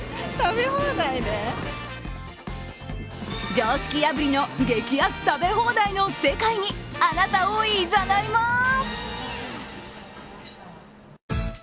常識破りの激安食べ放題の世界にあなたをいざないます！